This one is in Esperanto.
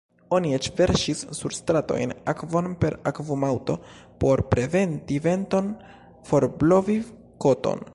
Oni eĉ verŝis sur stratojn akvon per akvumaŭto por preventi venton forblovi koton.